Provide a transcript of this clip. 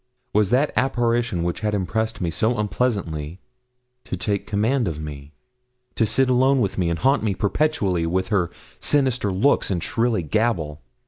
Was that apparition which had impressed me so unpleasantly to take the command of me to sit alone with me, and haunt me perpetually with her sinister looks and shrilly gabble?